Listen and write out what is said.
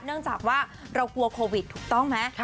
เนื่องจากว่าเรากลัวโควิดถูกต้องไหม